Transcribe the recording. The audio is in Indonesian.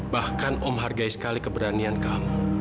bahkan om hargai sekali keberanianmu